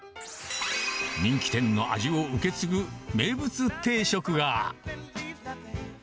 人気店の味を受け継ぐ名物定食が。